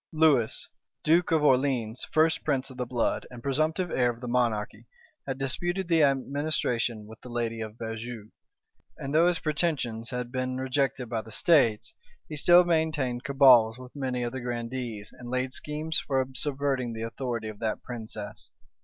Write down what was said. Lewis, duke of Orleans, first prince of the blood, and presumptive heir of the monarchy, had disputed the administration with the lady of Beaujeu; and though his pretensions had been rejected by the states, he still maintained cabals with many of the grandees, and laid schemes for subverting the authority of that princess.